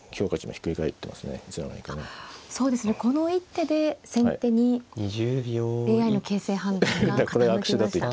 この一手で先手にＡＩの形勢判断が傾きました。